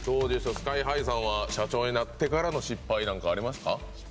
ＳＫＹ‐ＨＩさんは社長になってからの失敗なんかありますか？